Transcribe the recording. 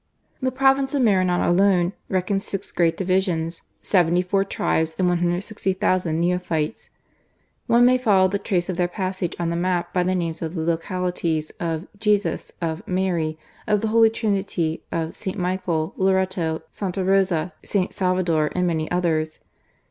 The province of Maranon alone reckoned six great divisions, seventy four tribes and 160,000 neophytes. One may follow the trace of their passage on the map by the names of the localities — of "Jesus," of Mary,'' of the " Holy Trinity," of " St. Michael," " Loreto,'^ " Sta. Rosa," " St. Salvador," and many others.